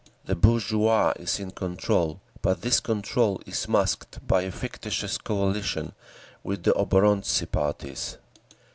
The bourgeoisie is in control, but this control is masked by a fictitious coalition with the oborontsi parties.